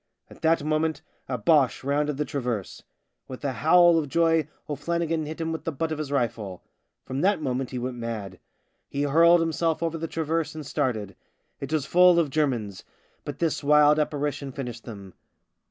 At that moment a Boche rounded the traverse. With a howl of joy O'Flannigan hit him with the butt of his rifle. From that moment he went mad. He hurled him THE SIXTH DRUNK 85 self over the traverse and started. It was full of Germans — but this wild apparition finished them.